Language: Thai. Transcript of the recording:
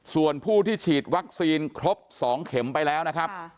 ส่วนผู้ที่ฉีดวัคซีนครบ๒เข็มไปแล้วนะครับ